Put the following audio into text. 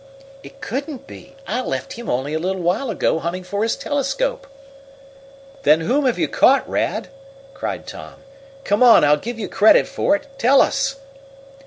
"It couldn't be. I left him only a little while ago hunting for his telescope." "Then whom have you caught, Rad?" cried Tom. "Come on, I'll give you credit for it. Tell us!"